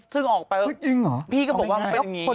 ซึ่งออกไปพี่ก็บอกว่าเป็นอย่างนี้จริงเหรอเอาง่าย